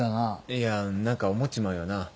いや何か思っちまうよな。